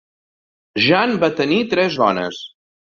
Jan va tenir tres dones.